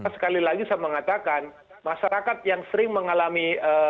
sekali lagi saya mengatakan masyarakat yang sering mengalami